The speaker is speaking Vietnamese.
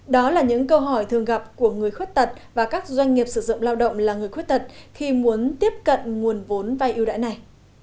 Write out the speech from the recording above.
đó là những câu hỏi thường gặp của người khuyết tật và các doanh nghiệp sử dụng lao động là người khuyết tật khi muốn tiếp cận nguồn vốn vay ưu đãi này